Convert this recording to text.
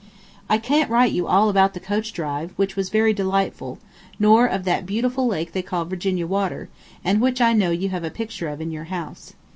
I can't write you all about the coach drive, which was very delightful, nor of that beautiful lake they call Virginia Water, and which I know you have a picture of in your house.